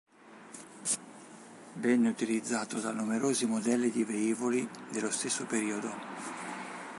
Venne utilizzato da numerosi modelli di velivoli dello stesso periodo.